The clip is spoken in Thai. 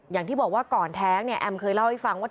อย่างที่บอกว่าก่อนแท้งเนี่ยแอมเคยเล่าให้ฟังว่า